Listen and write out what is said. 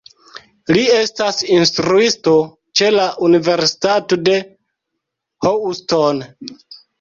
Li estas instruisto ĉe la Universitato de Houston.